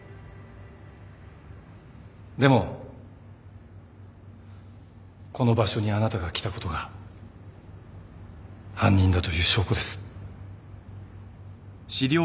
でもこの場所にあなたが来たことが犯人だという証拠です。